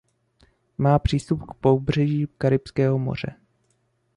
Má přístup k pobřeží Karibského moře.